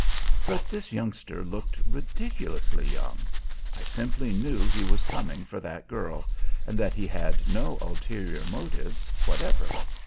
But this youngster looked ridiculously young. I simply knew he was coming for that girl, and that he had no ulterior motives whatever.